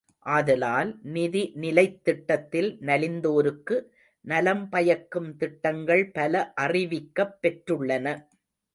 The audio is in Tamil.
ஆதலால் நிதிநிலைத் திட்டத்தில் நலிந்தோருக்கு நலம் பயக்கும் திட்டங்கள் பல அறிவிக்கப் பெற்றுள்ளன.